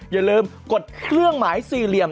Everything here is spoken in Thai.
อย่าลืมกดเครื่องหมายสี่เหลี่ยม